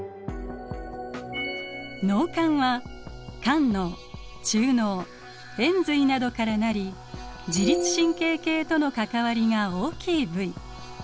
脳幹は間脳中脳延髄などから成り自律神経系との関わりが大きい部位。